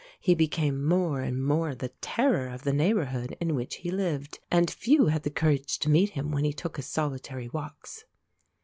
He became more and more the terror of the neighbourhood in which he lived, and few had the courage to meet him when he took his solitary walks.